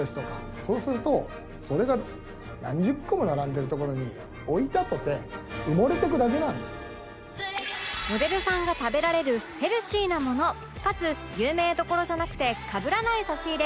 そうするとそれが何十個も並んでる所に置いたとてモデルさんが食べられるヘルシーなものかつ有名どころじゃなくてかぶらない差し入れ